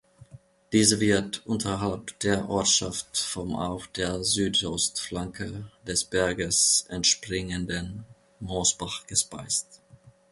Diese wird unterhalb der Ortschaft vom auf der Südostflanke des Berges entspringenden Moosbach gespeist.